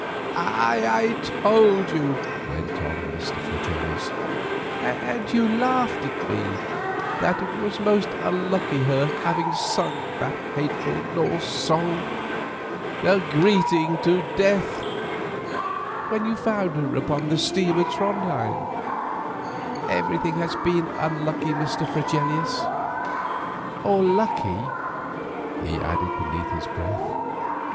"I told you," went on Mr. Fregelius, "and you laughed at me, that it was most unlucky her having sung that hateful Norse song, the 'Greeting to Death,' when you found her upon the steamer Trondhjem." "Everything has been unlucky, Mr. Fregelius—or lucky," he added beneath his breath.